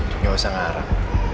tidak usah mengharap